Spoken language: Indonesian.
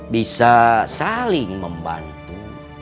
bisa saling membantu